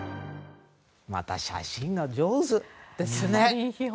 また写真が上手ですね。